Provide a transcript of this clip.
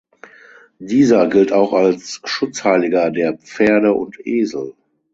Dieser gilt auch als Schutzheiliger der Pferde und Esel.